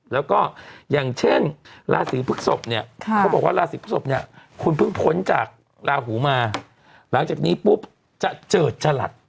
แล้วก็อย่างเช่นราศีพฤกษพเนี่ยเขาบอกว่าราศีพฤศพเนี่ยคุณเพิ่งพ้นจากลาหูมาหลังจากนี้ปุ๊บจะเจิดจรัส